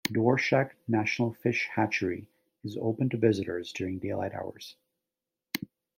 Dworshak National Fish Hatchery is open to visitors during daylight hours.